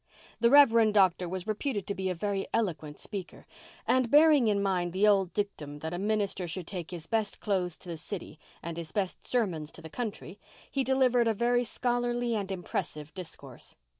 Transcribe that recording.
The Reverend Doctor was reputed to be a very eloquent speaker; and, bearing in mind the old dictum that a minister should take his best clothes to the city and his best sermons to the country, he delivered a very scholarly and impressive discourse.